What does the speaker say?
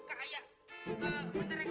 kak ayah bentar ya kak